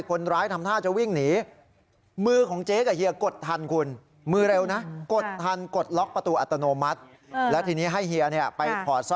คนร้ายทำท่าจะวิ่งหนี